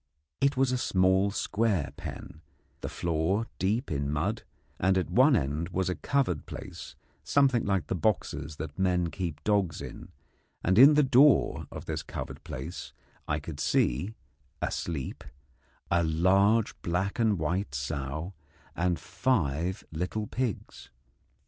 It was a small square pen, the floor deep in mud, and at one end was a covered place something like the boxes that men keep dogs in; and in the door of this covered place I could see, asleep, a large black and white sow and five little pigs.